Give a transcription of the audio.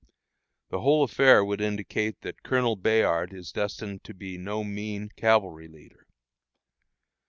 The whole affair would indicate that Colonel Bayard is destined to be no mean cavalry leader.